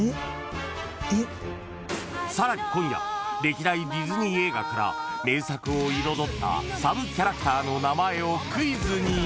［さらに今夜歴代ディズニー映画から名作を彩ったサブキャラクターの名前をクイズに！］